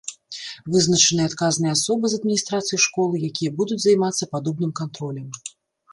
Вызначаны і адказныя асобы з адміністрацыі школы, якія будуць займацца падобным кантролем.